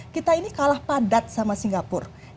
kita ini kalah padat sama singapura